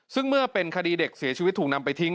ซึ่งเมื่อเป็นคดีเด็กเสียชีวิตถูกนำไปทิ้ง